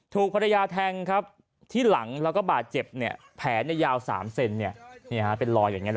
ถูกภรรยาแทงครับที่หลังแล้วก็บาดเจ็บแผลยาว๓เซนเป็นรอยอย่างนี้นะ